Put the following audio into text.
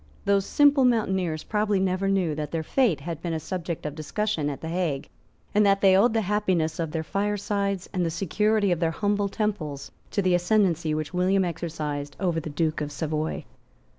Those simple mountaineers probably never knew that their fate had been a subject of discussion at the Hague, and that they owed the happiness of their firesides, and the security of their humble temples to the ascendency which William exercised over the Duke of Savoy.